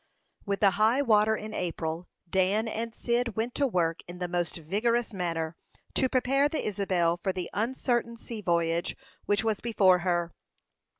With the high water in April, Dan and Cyd went to work, in the most vigorous manner, to prepare the Isabel for the uncertain sea voyage which was before her.